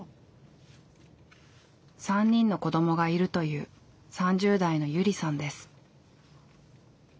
３人の子どもがいるという３０代のゆりさんです。